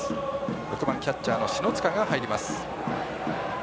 ６番キャッチャーの篠塚が入ります。